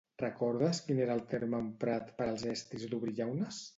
Recordes quin era el terme emprat per als estris d'obrir llaunes?